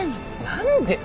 何で。